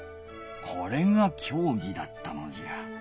これがきょうぎだったのじゃ。